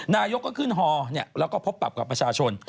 นายกก็ขึ้นฮอแล้วก็พบปรับกับประชาชน